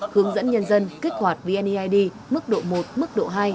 hướng dẫn nhân dân kích hoạt vneid mức độ một mức độ hai